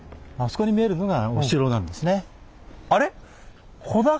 あれ？